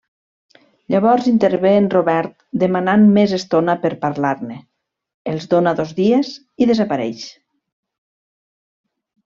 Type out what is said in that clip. Llavors intervé en Robert demanant més estona per parlar-ne, els dóna dos dies i desapareix.